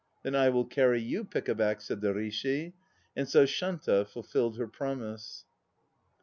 "Then I will carry you pickaback," said the Rishi. And so Shanta fulfilled her promise.